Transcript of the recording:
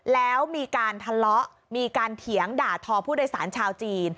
แล้วมีการทะเลาะมีการเถียงด่าทอผู้โดยสารชาวจีน